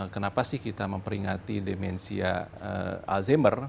kenapa sih kita memperingati demensia alzheimer